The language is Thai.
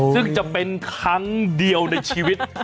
ซึ่งจะเป็นครั้งเดียวในชีวิต